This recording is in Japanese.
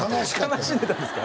悲しんでたんですか？